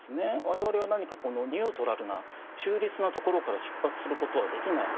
我々は何かニュートラルな中立なところから出発することはできない。